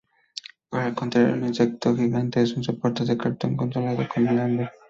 Por el contrario, el insecto gigante es un soporte de cartón controlado con alambre.